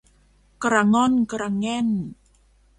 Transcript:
กระง่อนกระแง่น